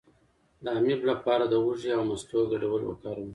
د امیب لپاره د هوږې او مستو ګډول وکاروئ